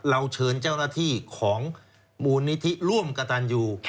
เราเชิญเจ้าหน้าที่ของมูลนิธิร่วมกระตันยู